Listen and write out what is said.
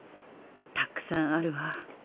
たくさんあるわ。